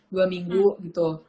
dua minggu gitu